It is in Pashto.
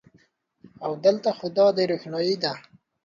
او د لته خو دادی روښنایې ده